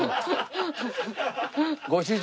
ご主人。